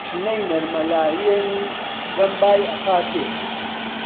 شنەی نەرمە لاوێنی دەم بای ئەخاتێ.